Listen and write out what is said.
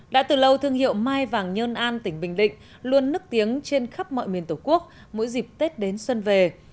đã từ lâu thương hiệu mai vàng nhân an tỉnh bình định luôn nức tiếng trên khắp mọi miền tổ quốc mỗi dịp tết đến xuân về